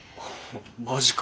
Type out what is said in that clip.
マジか。